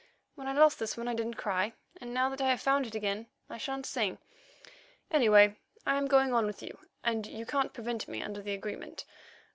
When I lost this one I didn't cry, and now that I have found it again I shan't sing. Anyway, I am going on with you, and you can't prevent me under the agreement.